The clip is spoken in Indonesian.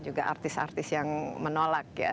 juga artis artis yang menolak ya